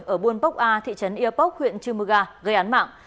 ở buôn pốc a thị trấn yêu pốc huyện trư mưa ga gây án mạng